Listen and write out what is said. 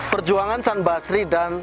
perjuangan san basri dan